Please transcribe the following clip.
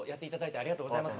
ありがとうございます。